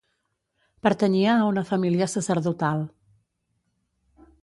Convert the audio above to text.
Pertanyia a una família sacerdotal.